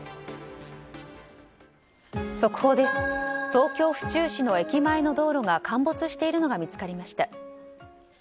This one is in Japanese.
東京・府中市の駅前の道路が陥没しているのが見つかりました。